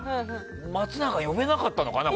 松永、呼べなかったのかな？